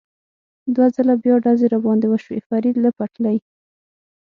دوه ځله بیا ډزې را باندې وشوې، فرید له پټلۍ.